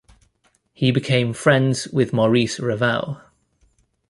He became friends with Maurice Ravel.